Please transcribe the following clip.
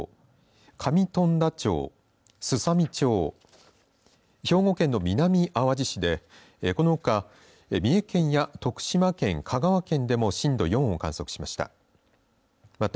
上富田町すさみ町兵庫県の南あわじ市でこのほか三重県や徳島県、香川県でも震度４を観測しました。